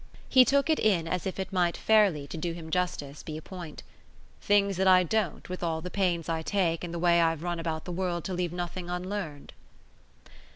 He took it in as if it might fairly, to do him justice, be a point. "Things that I don't with all the pains I take and the way I've run about the world to leave nothing unlearned?"